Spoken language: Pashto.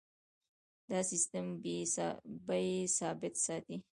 دا سیستم بیې ثابت ساتي.